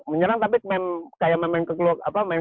menyerang tapi kayak main kekeluargaan